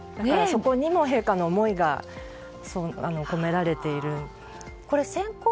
そこにも陛下の思いが込められているんです。